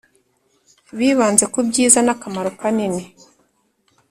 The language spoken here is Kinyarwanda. bibanze ku byiza n’akamaro kanini